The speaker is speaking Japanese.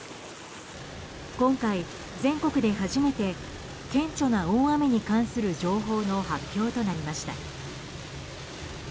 今回、全国で初めて顕著な大雨に関する情報の発表となりました。